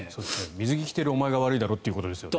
水着を着ているお前が悪いだろっていうことですよね。